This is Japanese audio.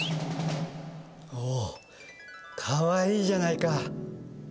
おー、かわいいじゃないか。